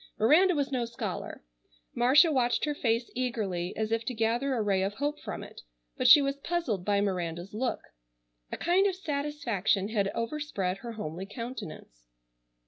Miranda was no scholar. Marcia watched her face eagerly, as if to gather a ray of hope from it, but she was puzzled by Miranda's look. A kind of satisfaction had overspread her homely countenance.